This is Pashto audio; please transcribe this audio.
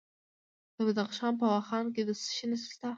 د بدخشان په واخان کې د څه شي نښې دي؟